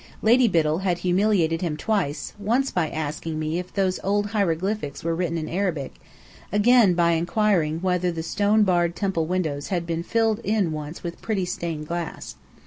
Lady Biddell had humiliated him twice, once by asking me if "those old hieroglyphics were written in Arabic?" again by inquiring whether the stone barred temple windows had been "filled in once with pretty stained glass?"